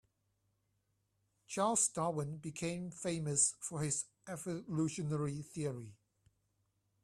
Charles Darwin became famous for his evolutionary theory.